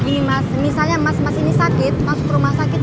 ini mas misalnya mas mas ini sakit masuk ke rumah sakit